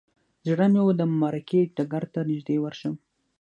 زړه مې و د معرکې ډګر ته نږدې ورشم.